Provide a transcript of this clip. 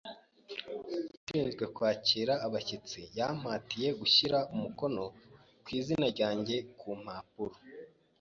Ushinzwe kwakira abashyitsi yampatiye gushyira umukono ku izina ryanjye ku mpapuro.